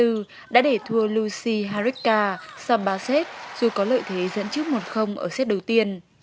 cô gái sinh năm một nghìn chín trăm chín mươi bốn đã để thua lucy haricka sambaset dù có lợi thế dẫn trước một ở xét đầu tiên